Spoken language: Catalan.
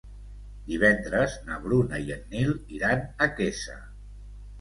Divendres na Bruna i en Nil iran a Quesa.